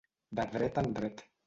De dret en dret.